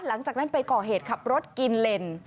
หลังจากนั้นไปก่อเหตุขับรถกินเลน